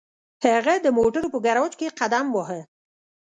هغه د موټرو په ګراج کې قدم واهه